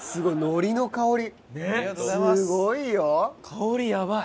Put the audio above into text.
香りやばい。